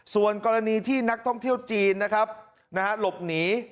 ส่วนกรณีที่นักท่องเที่ยวจีนนะครับหลบหนี